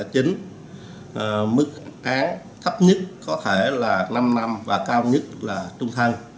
tiền giả bán có thể là năm năm cao nhất là trung thăng